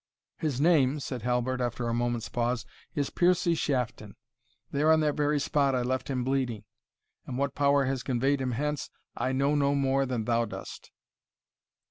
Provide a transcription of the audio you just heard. "His name," said Halbert, after a moment's pause, "is Piercie Shafton there, on that very spot I left him bleeding; and what power has conveyed him hence, I know no more than thou dost."